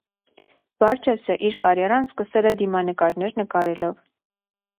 Բարջեսը իր կարիերան սկսել է դիմանկարներ նկարելով։